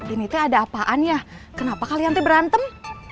ini tuh ada apaan ya kenapa kalian tuh berantem